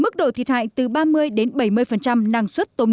mức độ thiệt hại từ ba mươi đến bảy mươi